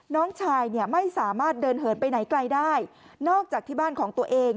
น้องชายเนี่ยไม่สามารถเดินเหินไปไหนไกลได้นอกจากที่บ้านของตัวเอง